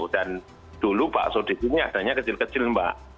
dan dulu bakso di sini adanya kecil kecil mbak